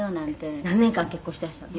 「何年間結婚してらしたの？」